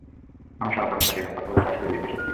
আমার সহকর্মীদের সাথে এভাবে কথা বলার সাহস কে দিয়েছে এসব কী?